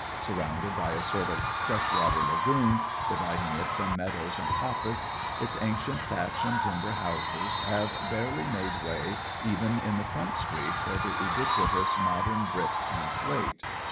Surrounded by a sort of fresh water lagoon, dividing it from meadows and coppice, its ancient thatch and timber houses have barely made way even in the front street for the ubiquitous modern brick and slate.